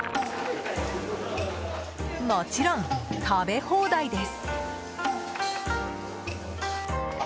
もちろん、食べ放題です。